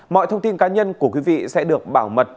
mọi thông tin cá nhân của quý vị sẽ được bảo mật